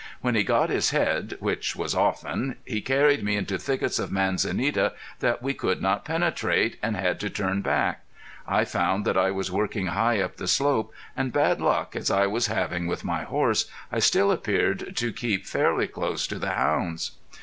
When he got his head, which was often, he carried me into thickets of manzanita that we could not penetrate, and had to turn back. I found that I was working high up the slope, and bad luck as I was having with my horse, I still appeared to keep fairly close to the hounds.